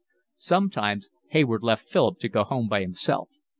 Sometimes Hayward left Philip to go home by himself.